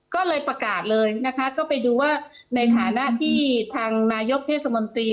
ก็เลยประกาศเลยนะคะก็ไปดูว่าในฐานะที่ทางนายกเทศมนตรี